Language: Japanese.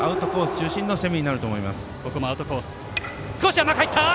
中心の攻めになると思います。